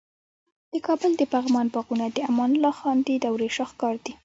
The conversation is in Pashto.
د کابل د پغمان باغونه د امان الله خان د دورې شاهکار دي